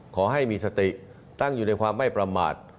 ขอให้มีสติตั้งอยู่ในความไม่ประมาท